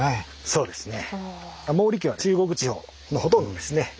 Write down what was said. そうですね。